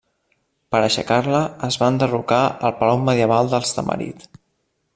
Per aixecar-la es va enderrocar el palau medieval dels Tamarit.